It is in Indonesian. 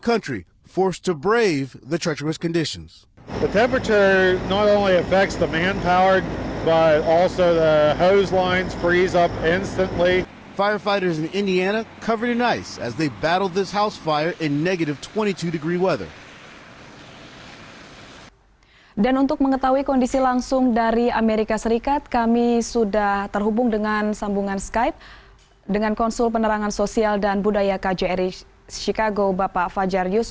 kunci polisi menangkap tapi apat muy powers dengan merang praying pada kunores nafas